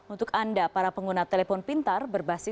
untuk anda para pengguna telepon pintar berbasis